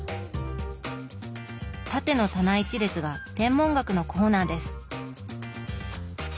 縦の棚一列が天文学のコーナーです。